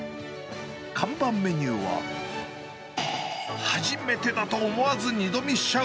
看板メニューは、初めてだと思わず二度見しちゃう